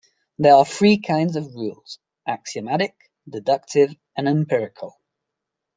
There are three kinds of rules: Axiomatic, Deductive, and Empirical.